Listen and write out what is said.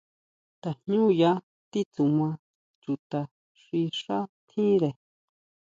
Tajñuya titsuma chuta xi xá tjíre.